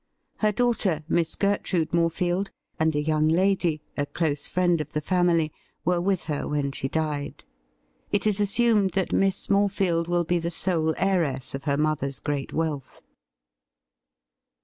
Her daughter. Miss Gertrude Morefield, and a young lady, a close friend of the family, were with her when she died. It is assumed that Miss Morefield will be the sole heiress of her mother's great wealth.'